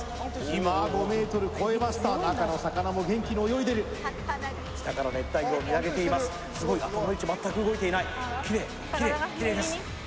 今５ｍ越えました中の魚も元気に泳いでる下から熱帯魚を見上げていますすごい頭の位置全く動いていないキレイキレイキレイです